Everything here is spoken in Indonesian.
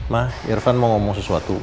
mah irfan mau ngomong sesuatu